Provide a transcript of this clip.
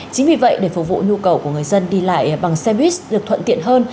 chính vì vậy để phục vụ nhu cầu của người dân đi lại bằng xe buýt được thuận tiện hơn